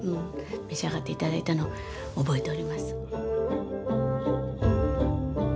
召し上がって頂いたのを覚えております。